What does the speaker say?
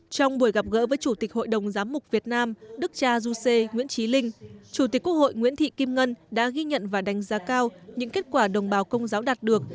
trong buổi gặp gỡ với chủ tịch hội đồng giám mục việt nam đức cha du sê nguyễn trí linh chủ tịch quốc hội nguyễn thị kim ngân đã ghi nhận và đánh giá cao những kết quả đồng bào công giáo đạt được